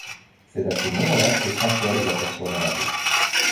C'est à ce moment-là que François les aperçoit dans la rue.